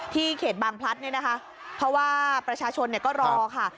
เขตบางพลัดเนี่ยนะคะเพราะว่าประชาชนเนี่ยก็รอค่ะ